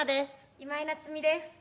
今井菜津美です。